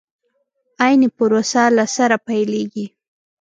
عين پروسه له سره پيلېږي.